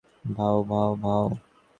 আমাদের শহরকে উৎসর্গ করে।